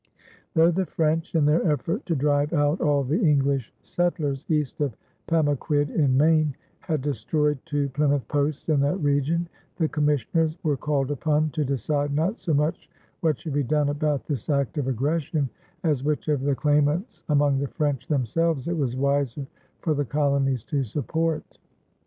Though the French, in their effort to drive out all the English settlers east of Pemaquid in Maine, had destroyed two Plymouth posts in that region, the commissioners were called upon to decide not so much what should be done about this act of aggression, as which of the claimants among the French themselves it was wiser for the colonies to support.